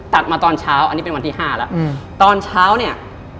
มาตอนเช้าอันนี้เป็นวันที่ห้าแล้วตอนเช้าเนี่ย